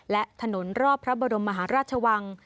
และถนนรอบพระบรมมหาราชวัง